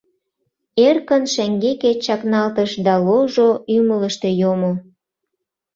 Эркын шеҥгеке чакналтыш да ложо ӱмылыштӧ йомо.